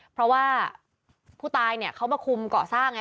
เพราะว่าผู้ตายเนี่ยเขามาคุมเกาะสร้างไง